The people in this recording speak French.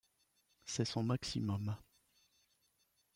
C'est son maximum.